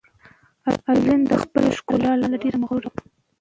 ایلین د خپلې ښکلا له امله ډېره مغروره وه.